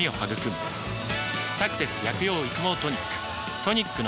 「サクセス薬用育毛トニック」